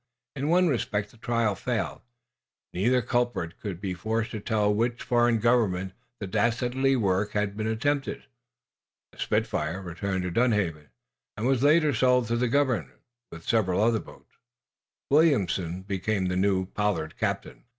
In one respect the trial failed. Neither culprit could be forced to tell for which foreign government the dastardly work had been attempted. The "Spitfire" returned to Dunhaven, and was later sold to the government, with several other boats. Williamson became the new Pollard captain.